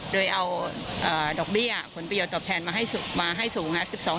โดยเอาดอกเบี้ยผลประโยชนตอบแทนมาให้สูงนะ